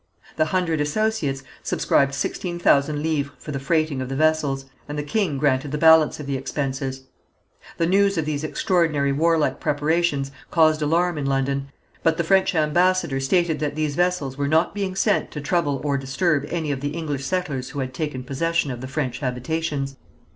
The Hundred Associates subscribed sixteen thousand livres for the freighting of the vessels, and the king granted the balance of the expenses. The news of these extraordinary war like preparations caused alarm in London, but the French ambassador stated that these vessels were not being sent to trouble or disturb any of the English settlers who had taken possession of the French habitations.